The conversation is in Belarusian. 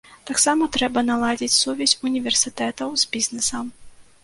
Таксама трэба наладзіць сувязь універсітэтаў з бізнесам.